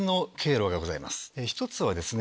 １つはですね